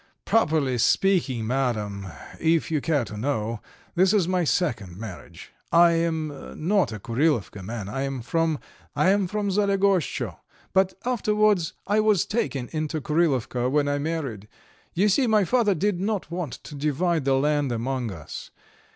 "Properly speaking, Madam, if you care to know, this is my second marriage. I am not a Kurilovka man, I am from Zalegoshtcho, but afterwards I was taken into Kurilovka when I married. You see my father did not want to divide the land among us.